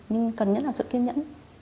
nhưng cần nhất là sự kiên nhẫn